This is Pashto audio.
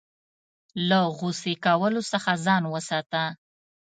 له غوسې کولو څخه ځان وساته .